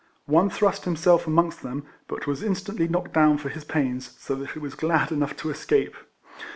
One thrust himself amongst them, but was instantly knocked down for his pains, so that he was glad enough to escape.